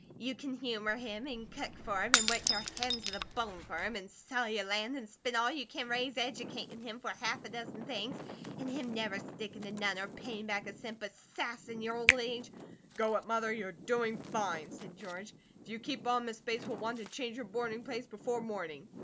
You kin humour him, and cook for him, an work your hands to the bone fur him, and sell your land, and spend all you can raise educatin' him for half a dozen things, an' him never stickin to none or payin' back a cent, but sass in your old age " "Go it, Mother, you're doing fine!" said George. "If you keep on Miss Bates will want to change her boarding place before morning."